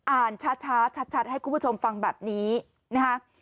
อ่านช้าชัดให้คุณผู้ชมฟังแบบนี้นะฮะ